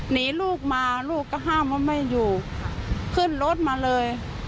หนีลูกมาลูกก็ห้ามว่าไม่อยู่ขึ้นรถมาเลย